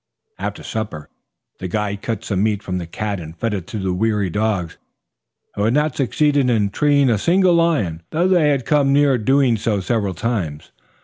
After supper the guide cut some meat from the cat and fed it to the weary dogs, who had not succeeded in treeing a single lion, though they had come near doing so several times.